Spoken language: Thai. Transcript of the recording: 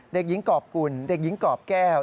เด็กหญิงกรอบกุลเด็กหญิงกรอบแก้ว